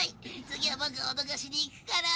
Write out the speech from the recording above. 次はボクが脅かしに行くから。